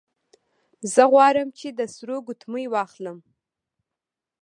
زه غواړم چې د سرو ګوتمۍ واخلم